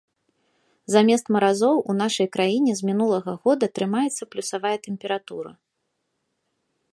Замест маразоў у нашай краіне з мінулага года трымаецца плюсавая тэмпература.